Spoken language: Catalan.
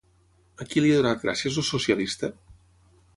A qui li ha donat gràcies el socialista?